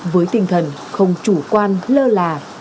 với tinh thần không chủ quan lơ là